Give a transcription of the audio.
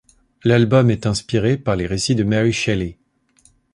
L’album est inspiré par les récits de Mary Shelley.